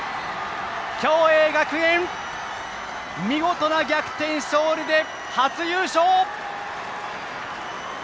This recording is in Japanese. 共栄学園、見事な逆転勝利で初優勝！